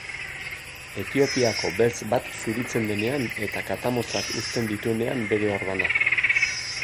Etiopiako beltz bat zuritzen denean, eta katamotzak uzten dituenean bere orbanak.